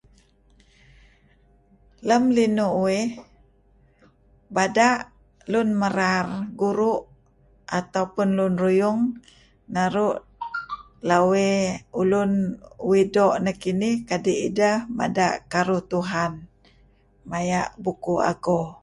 Lem linuh uih bada' Lun Merar, Guru', ataupun Lun Ruyung naru' lawey ulun uih doo' nekinih kadi' ideh mada' Karuh Tuhan maya' Bukuh Ago.